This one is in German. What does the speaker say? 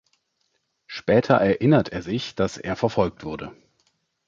Später erinnert er sich, dass er verfolgt wurde.